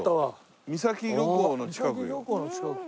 三崎漁港の近くか。